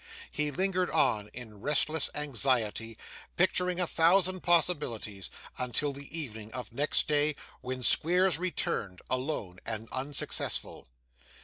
He lingered on, in restless anxiety, picturing a thousand possibilities, until the evening of next day, when Squeers returned, alone, and unsuccessful.